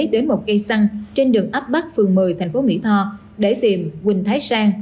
đến một cây xăng trên đường ấp bắc phường một mươi thành phố mỹ tho để tìm huỳnh thái sang